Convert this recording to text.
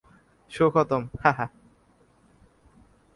Show খতম, হাহ।